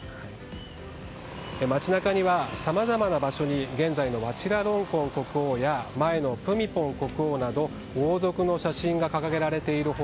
街中にはさまざまな場所に現在のワチラロンコン国王や前のプミポン国王など王族の写真が掲げられている他